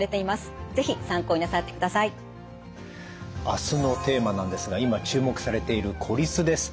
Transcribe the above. あすのテーマなんですが今注目されている孤立です。